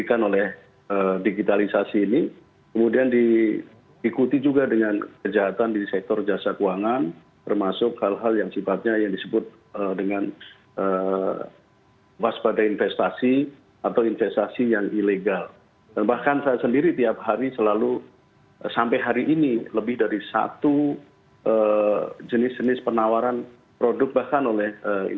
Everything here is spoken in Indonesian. total laporan rekening yang masuk dalam daftar hitam kemkoninfo mencapai empat ratus rekening